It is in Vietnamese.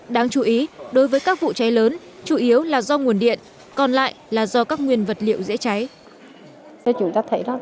đáng chú ý đối với các vụ cháy lớn chủ yếu là do nguồn điện còn lại là do các nguyên vật liệu dễ cháy